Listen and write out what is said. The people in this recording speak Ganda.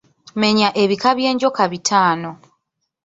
Menya ebika by'enjoka bitaano.